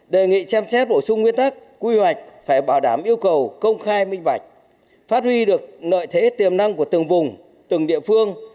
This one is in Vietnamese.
đề nghị xem xét bổ sung nguyên tắc quy hoạch phải bảo đảm yêu cầu công khai minh bạch phát huy được nợ thế tiềm năng của từng vùng từng địa phương